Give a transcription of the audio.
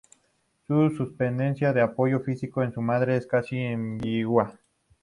Su dependencia del apoyo físico en su madre es casi ambigua.